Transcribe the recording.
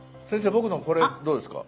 僕のこれどうですか？